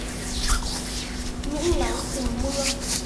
Những nắng cùng mưa